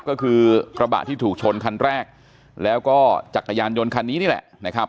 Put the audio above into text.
ก็คือกระบะที่ถูกชนคันแรกแล้วก็จักรยานยนต์คันนี้นี่แหละนะครับ